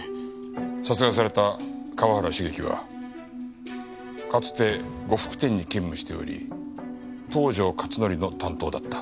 殺害された河原茂樹はかつて呉服店に勤務しており東条克典の担当だった。